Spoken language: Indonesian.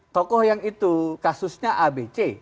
tokoh yang itu kasusnya abc